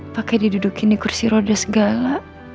pakai didudukin di kursi roda segala